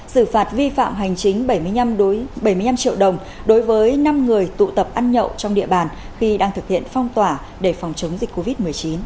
xử phạt vi phạm hành chính bảy mươi năm bảy mươi năm triệu đồng đối với năm người tụ tập ăn nhậu trong địa bàn khi đang thực hiện phong tỏa để phòng chống dịch covid một mươi chín